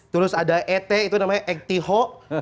terus ada et itu namanya ektiho